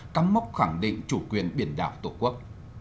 cắm mốc khẳng định chủ quyền biển đảo tổ quốc